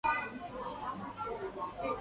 但资料传输率比蓝牙高。